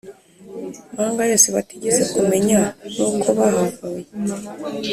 mahanga yose batigeze kumenya Nuko bahavuye